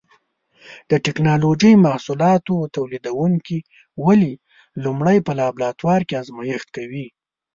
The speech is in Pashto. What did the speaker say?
د ټېکنالوجۍ محصولاتو تولیدوونکي ولې لومړی په لابراتوار کې ازمېښت کوي؟